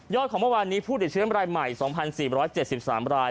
ของเมื่อวานนี้ผู้ติดเชื้อรายใหม่๒๔๗๓ราย